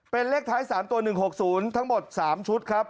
เป็นเลขท้าย๓ตัว๑๖๐ทั้งหมด๓ชุดครับ